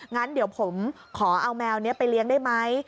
งั้นเดี๋ยวผมขอเอาแมวนี้ไปเลี้ยงได้ไหม